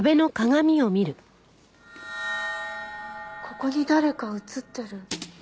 ここに誰か映ってる。